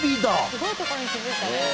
すごいとこに気付いたね。ね。